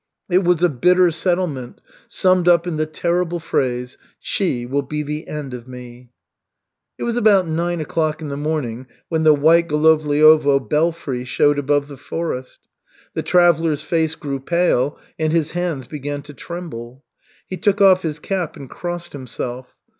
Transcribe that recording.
It was a bitter settlement, summed up in the terrible phrase: "She will be the end of me." It was about nine o'clock in the morning when the white Golovliovo belfry showed above the forest. The traveller's face grew pale, and his hands began to tremble. He took off his cap and crossed himself.